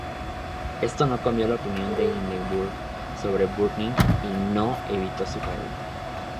Esto no cambió la opinión de Hindenburg sobre Brüning, y no evitó su caída.